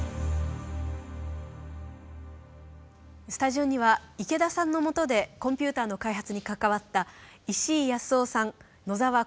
スタジオには池田さんのもとでコンピューターの開発に関わった石井康雄さん野澤興一さん